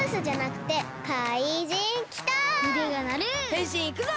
へんしんいくぞ！